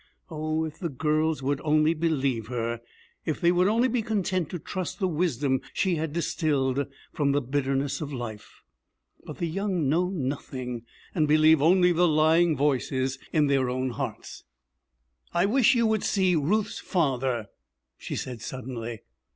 Oh, if the girls would only believe her, if they would only be content to trust the wisdom she had distilled from the bitterness of life! But the young know nothing, and believe only the lying voices in their own hearts! 'I wish you would see Ruth's father,' she said suddenly.